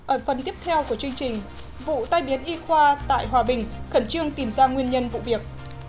ở phần tiếp theo của chương trình vụ tai biến y khoa tại hòa bình khẩn trương tìm ra nguyên nhân vụ việc